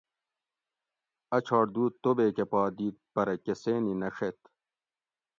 ا چھاٹ دو توبیکہ پا دیت پرہ کۤسینی نہ ڛیت